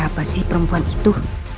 siapa sih perempuan itu